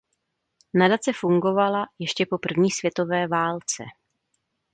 Nadace fungovala ještě po první světové válce.